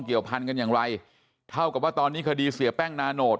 เกี่ยวพันกันอย่างไรเท่ากับว่าตอนนี้คดีเสียแป้งนาโนต